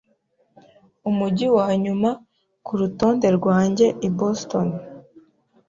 Umujyi wanyuma kurutonde rwanjye ni Boston.